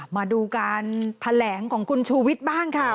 มาดูการแถลงของคุณชูวิทย์บ้างค่ะ